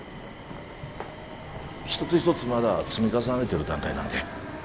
一つ一つまだ積み重ねてる段階なんで。